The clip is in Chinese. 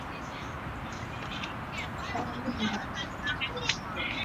寿峰乡是中国陕西省延安市宜川县下辖的一个乡。